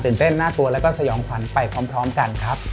เต้นน่ากลัวแล้วก็สยองขวัญไปพร้อมกันครับ